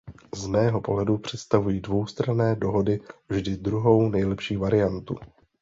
Z mého pohledu představují dvoustranné dohody vždy druhou nejlepší variantu.